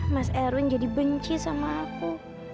mas erwin jadi benci sama aku